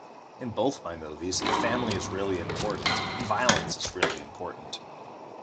In both my movies family is really important, violence is really important.